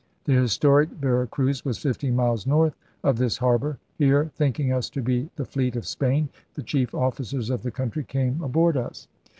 The historic Vera Cruz was fifteen miles north of this harbor. Here * thinking us to be the fleet of Spain, the chief officers of the country came aboard us.